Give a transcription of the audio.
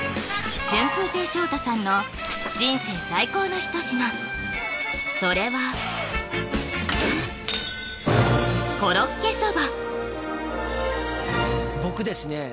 春風亭昇太さんの人生最高の一品それは僕ですね